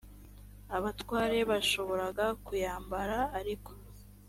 abatware bashoboraga kuyambara ariko